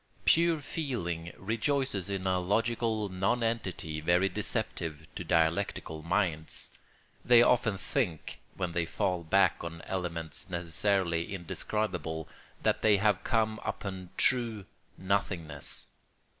Pure feeling rejoices in a logical nonentity very deceptive to dialectical minds. They often think, when they fall back on elements necessarily indescribable, that they have come upon true nothingness.